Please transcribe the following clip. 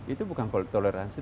itu bukan toleransi